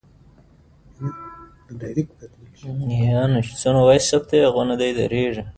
وګړي د افغانستان د دوامداره پرمختګ لپاره اړین دي.